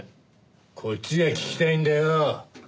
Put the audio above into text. こっちが聞きたいんだよ。